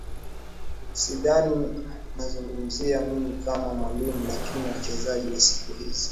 sidhani nazungumzia mimi kama mwalimu lakini wachezaji wa siku hizi